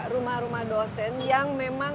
rumah rumah dosen yang memang